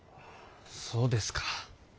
そうですか。